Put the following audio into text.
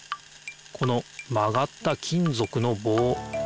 このまがった金ぞくのぼう。